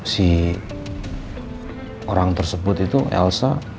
si orang tersebut itu elsa